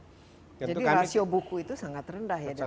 jadi rasio buku itu sangat rendah ya dengan jumlah orang